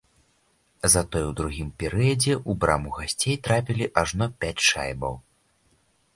Затое ў другім перыядзе ў браму гасцей трапілі ажно пяць шайбаў.